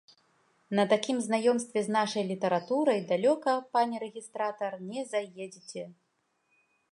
На такім знаёмстве з нашай літаратурай далёка, пане рэгістратар, не заедзеце.